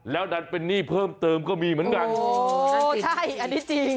แล้วดันเป็นหนี้เพิ่มเติมก็มีเหมือนกันโอ้ใช่อันนี้จริง